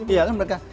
iya kan mereka